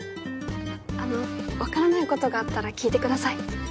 あの分からないことがあったら聞いてください。